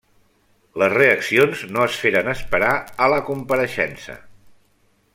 Les reaccions no es feren esperar a la compareixença.